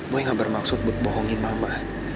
gue gak bermaksud buat bohongin mama